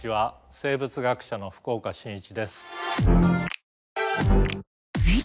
生物学者の福岡伸一です。